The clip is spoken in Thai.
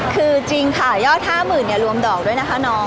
คือจริงค่ะยอดห้าหมื่นเนี่ยรวมดอกด้วยนะคะน้อง